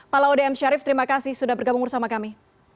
pak laude m syarif terima kasih sudah bergabung bersama kami